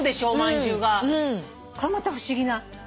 これまた不思議な。